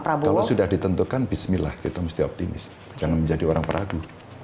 kalau sudah ditentukan bismillah kita mesti optimis jangan menjadi orang peradu